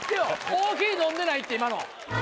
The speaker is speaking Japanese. コーヒー飲んでないって今の。